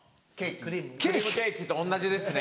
・クリームケーキと同じですね。